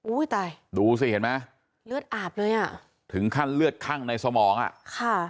ตายดูสิเห็นไหมเลือดอาบเลยอ่ะถึงขั้นเลือดคั่งในสมองอ่ะค่ะ